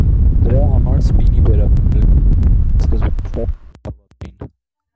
Դրա համար սպինի վերաբերյալ կարծիքները սկզբում շատ թերահավատ էին։